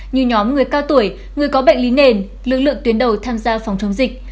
như nhóm người cao tuổi người có bệnh lý nền lực lượng tuyến đầu tham gia phòng chống dịch